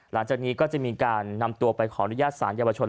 หลังจากนี้ก็จะมีการนำตัวไปขออนุญาตสารเยาวชน